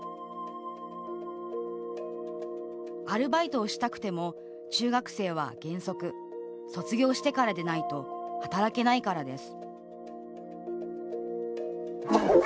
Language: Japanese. アルバイトをしたくても中学生は原則、卒業してからでないと働けないからです